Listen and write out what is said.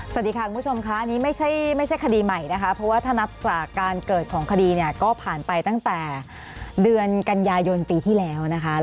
สวัสดีค่ะคุณผู้ชมค่ะอันนี้ไม่ใช่คดีใหม่นะคะเพราะว่าถ้านับจากการเกิดของคดีเนี่ยก็ผ่านไปตั้งแต่เดือนกันยายนปีที่แล้วนะคะ